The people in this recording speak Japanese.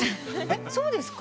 そうですか？